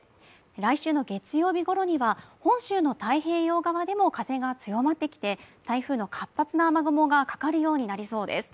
来週の月曜日ごろには本州の太平洋側でも風が強まってきて台風の活発な雨雲がかかるようになりそうです